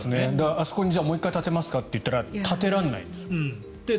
あそこにもう１回建てますかといったら建てられないんですから。